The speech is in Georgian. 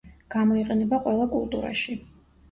გამოიყენება ყველა კულტურაში.